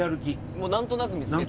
もうなんとなく見付けて？